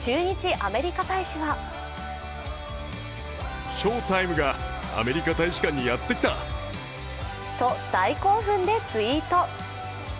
駐日アメリカ大使はと、大興奮でツイート。